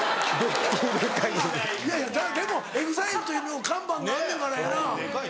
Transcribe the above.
いやいやでもＥＸＩＬＥという看板があんねんからやな。